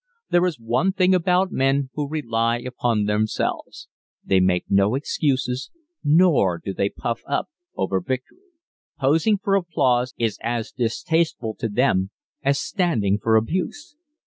There is one thing about men who rely upon themselves they make no excuses, nor do they puff up over victory. Posing for applause is as distasteful to them as standing for abuse.